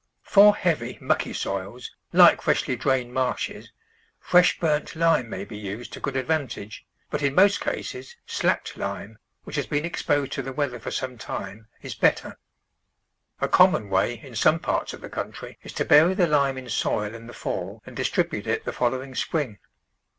THE VEGETABLE GARDEN For heavy, mucky soils, like freshly drained marshes, fresh burnt lime may be used to good ad vantage, but in most cases slacked lime, which has been exposed to the weather for some time, is better. A common way in some parts of the coun try is to bury the lime in soil in the fall and dis tribute it the following spring.